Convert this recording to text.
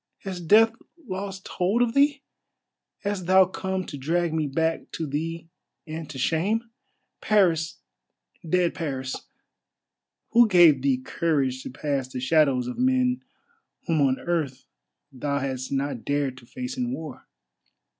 _ Has Death lost hold of thee? Hast thou come to drag me back to thee and to shame? Paris, dead Paris! Who gave thee courage to pass the shadows of men whom on earth thou hadst not dared to face in war?"